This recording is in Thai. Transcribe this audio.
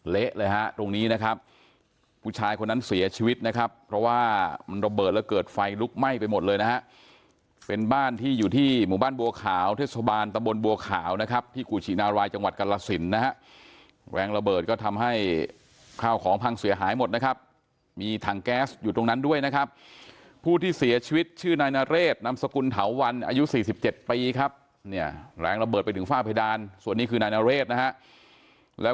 เหละเลยฮะตรงนี้นะครับผู้ชายคนนั้นเสียชีวิตนะครับเพราะว่ามันระเบิดแล้วเกิดไฟลุกไหม้ไปหมดเลยนะฮะเป็นบ้านที่อยู่ที่หมู่บ้านบัวขาวเทศบาลตะบลบัวขาวนะครับที่กุฉีนารายจังหวัดกรรลศิลป์นะฮะแรงระเบิดก็ทำให้ข้าวของพังเสียหายหมดนะครับมีถังแก๊สอยู่ตรงนั้นด้วยนะครับผู้ที่เสียชีวิตชื่อนายนเร